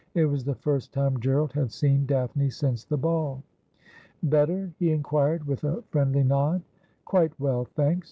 It was the first time Gerald had seen Daphne since the ball. ' Better ?' he inquired, with a friendly nod. ' Quite well, thanks.